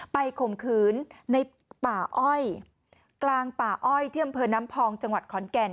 ข่มขืนในป่าอ้อยกลางป่าอ้อยที่อำเภอน้ำพองจังหวัดขอนแก่น